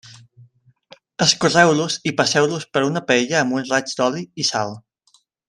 Escorreu-los i passeu-los per una paella amb un raig d'oli i sal.